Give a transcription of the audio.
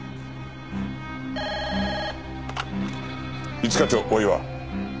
一課長大岩。